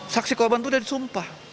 saksi korban itu udah disumpah